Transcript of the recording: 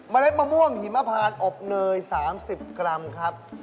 เล็ดมะม่วงหิมพานอบเนย๓๐กรัมครับ